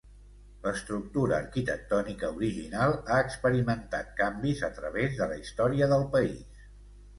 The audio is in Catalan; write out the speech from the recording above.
L'estructura arquitectònica original ha experimentat canvis a través de la història del país.